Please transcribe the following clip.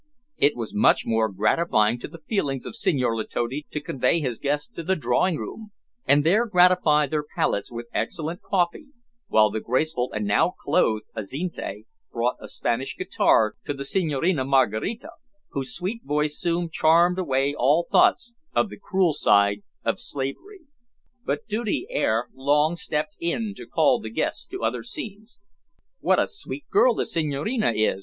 It was much more gratifying to the feelings of Senhor Letotti to convey his guests to the drawing room, and there gratify their palates with excellent coffee, while the graceful, and now clothed, Azinte brought a Spanish guitar to the Senhorina Maraquita, whose sweet voice soon charmed away all thoughts of the cruel side of slavery. But duty ere long stepped in to call the guests to other scenes. "What a sweet girl the Senhorina is!"